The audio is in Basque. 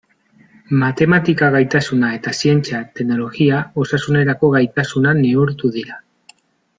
Matematika gaitasuna eta zientzia, teknologia, osasunerako gaitasuna neurtu dira.